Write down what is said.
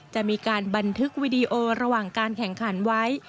จะมีการบันทึกวิดีโอระหว่างการแข่งขันไว้